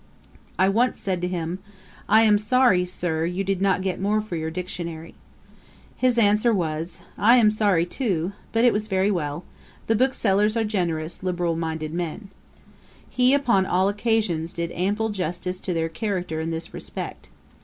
I once said to him, 'I am sorry, Sir, you did not get more for your Dictionary'. His answer was, 'I am sorry, too. But it was very well. The booksellers are generous, liberal minded men.' He, upon all occasions, did ample justice to their character in this respect.